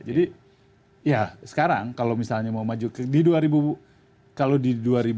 jadi ya sekarang kalau misalnya mau maju ke di dua ribu kalau di dua ribu dua puluh